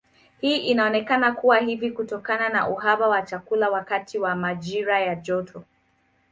Hii inaonekana kuwa hivi kutokana na uhaba wa chakula wakati wa majira ya joto.